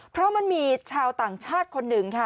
เพราะมันมีชาวต่างชาติคนหนึ่งค่ะ